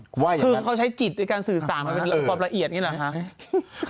คือเขาใช้จิตในการสื่อสารมันเป็นความละเอียดอย่างนี้หรอคะ